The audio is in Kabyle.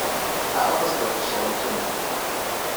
Eɛṛeḍ ad as-d-tafeḍ cɣel i Kamal.